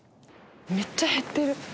めっちゃ減ってる。